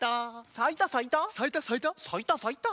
さいたさいた。